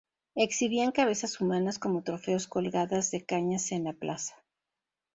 Exhibían cabezas humanas como trofeos colgadas de cañas en la plaza.